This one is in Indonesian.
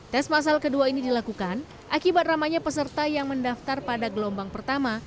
tes masal kedua ini dilakukan akibat ramainya peserta yang mendaftar pada gelombang pertama